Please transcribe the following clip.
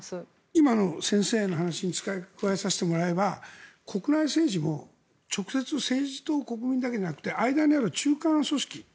今の先生の話に加えさせてもらえば国内政治も直接、政治と国民だけじゃなくて間にある中間組織